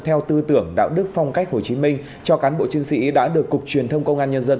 theo tư tưởng đạo đức phong cách hồ chí minh cho cán bộ chiến sĩ đã được cục truyền thông công an nhân dân